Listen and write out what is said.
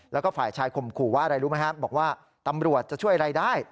แล้วก็ฝ่ายชายข่มขู่ว่าอะไรรู้ไหมครับบอกว่าตำรวจจะช่วยอะไรได้